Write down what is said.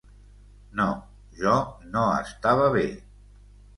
No, jo no estava bé.